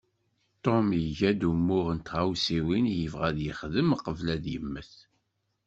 Tom iga-d umuɣ n tɣawsiwin i yebɣa ad yexdem qbel ad yemmet.